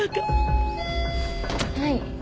はい。